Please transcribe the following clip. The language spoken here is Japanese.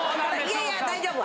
いやいや大丈夫！